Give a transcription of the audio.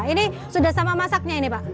ini sudah sama masaknya ini pak